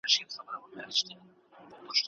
نور نو نه بوی لري، نه رنګ، نه ښکلا